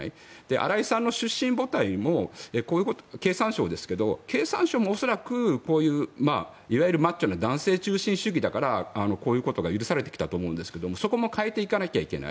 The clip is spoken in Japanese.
荒井さんの出身母体も経産省ですけど経産省も恐らくいわゆるマッチョな男性中心主義だからこういうことが許されてきたと思うんですがそこも変えていかなきゃいけない。